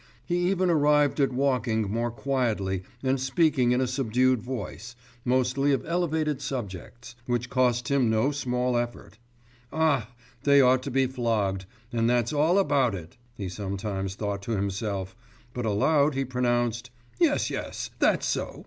He even arrived at walking more quietly and speaking in a subdued voice, mostly of elevated subjects, which cost him no small effort. 'Ah! they ought to be flogged, and that's all about it!' he sometimes thought to himself, but aloud he pronounced: 'Yes, yes, that's so ...